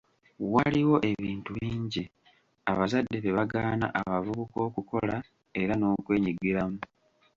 Waliwo ebintu bingi abazadde bye bagaana abavubuka okukola era nokwenyigiramu.